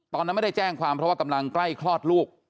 ตอนนั้นไม่ได้แจ้งความเพราะว่ากำลังใกล้คลอดลูก